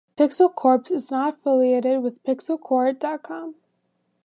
PixelCorps is not affiliated with pixelcore dot com.